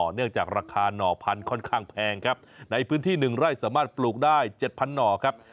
เนื่องจากราคาหน่อพันธุ์ค่อนข้างแพงครับในพื้นที่๑ไร่สามารถปลูกได้๗๐๐หน่อครับ